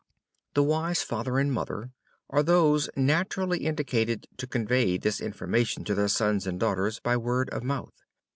The wise father and mother are those naturally indicated to convey this information to their sons and daughters by word of mouth.